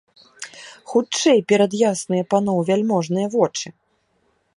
Хутчэй перад ясныя паноў вяльможныя вочы!